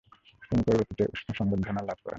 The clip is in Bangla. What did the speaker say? তিনি পরবর্তীতে উষ্ণ সংবর্ধনায় লাভ করেন।